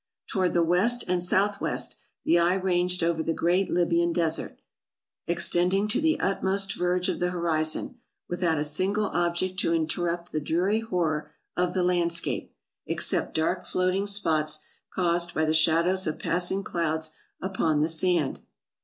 Toward the west and south west, the eye ranged over the great Libyan Desert, ex tending to the utmost verge of the horizon, without a single object to interrupt the dreary horror of the landscape, except dark floating spots caused by the shadows of passing clouds upon the sand.